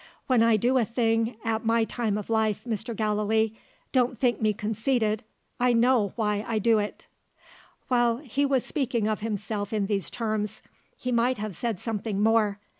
When I do a thing at my time of life, Mr. Gallilee don't think me conceited I know why I do it." While he was speaking of himself in these terms, he might have said something more.